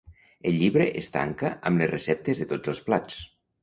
El llibre es tanca amb les receptes de tots els plats.